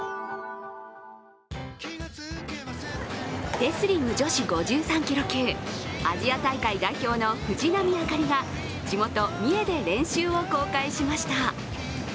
レスリング女子５３ｋｇ級アジア大会代表の藤波朱理が地元・三重で練習を公開しました。